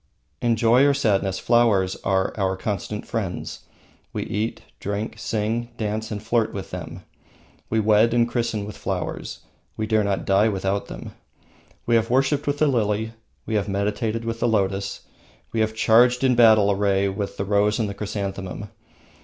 In joy or sadness, flowers are our constant friends. We eat, drink, sing, dance, and flirt with them. We wed and christen with flowers. We dare not die without them. We have worshipped with the lily, we have meditated with the lotus, we have charged in battle array with the rose and the chrysanthemum.